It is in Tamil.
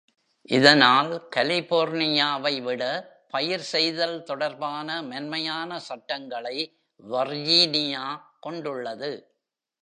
இதனால் கலிபோர்னியாவை விட பயிர் செய்தல் தொடர்பான மென்மையான சட்டங்களை வர்ஜீனியா கொண்டுள்ளது.